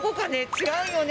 違うよね？